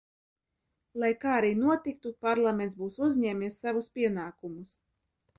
Lai kā arī notiktu, Parlaments būs uzņēmies savus pienākumus.